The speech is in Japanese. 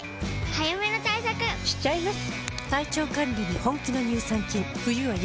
早めの対策しちゃいます。